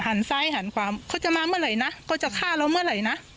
ซ้ายหันขวาเขาจะมาเมื่อไหร่นะเขาจะฆ่าเราเมื่อไหร่นะ